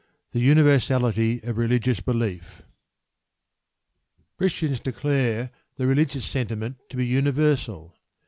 THE UNIVERSALITY OF RELIGIOUS BELIEF Christians declare the religious sentiment to be universal.